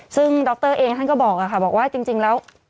ซึ่งดรเองท่านก็บอกว่าจริงแล้ว